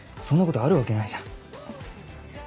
そんなことあるわけないじゃん。